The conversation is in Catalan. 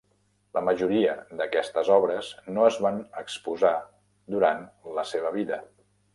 La majoria d'aquestes obres no es van exposar durant la seva vida.